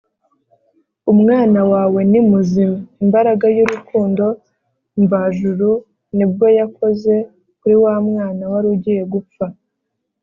“Umwana wawe ni muzima,” imbaraga y’urukundo mvajuru nibwo yakoze kuri wa mwana wari ugiye gupfa